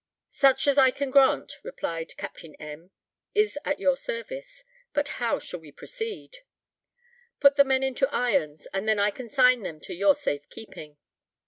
"Such as I can grant," replied Capt. M., "is at your service; but how shall we proceed?" "Put the men into irons, and then I consign them to your safe keeping."